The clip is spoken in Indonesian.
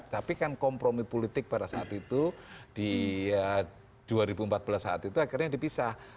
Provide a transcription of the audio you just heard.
tapi kan kompromi politik pada saat itu di dua ribu empat belas saat itu akhirnya dipisah